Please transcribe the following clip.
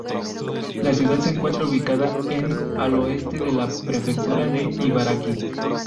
La ciudad se encuentra ubicada en al oeste de la Prefectura de Ibaraki.